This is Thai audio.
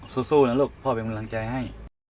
สู้นะลูกพ่อเป็นกำลังใจให้